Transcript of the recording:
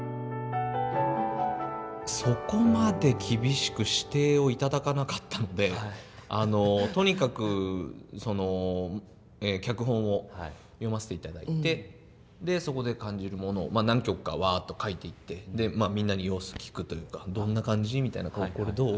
そこまで厳しく指定をいただかなかったのでとにかく脚本を読ませていただいてでそこで感じるものを何曲かワッと書いていってまあみんなに様子聞くというかどんな感じ？みたいなこれどう？